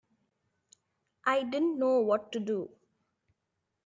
I didn't know what to do.